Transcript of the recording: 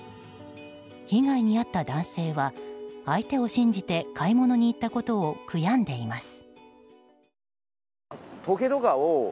被害に遭った男性は相手を信じて買い物に行ったことを悔やんでいます。